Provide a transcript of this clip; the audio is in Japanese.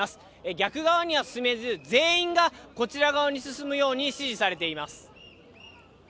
逆側には進めず、全員がこちら側に進むように指示されています。